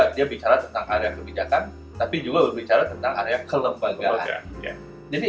dia bicara tentang area kebijakan tapi juga bicara tentang area kelembagaan